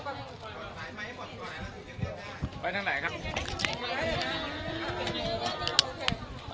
แพะช่างแด่ครับ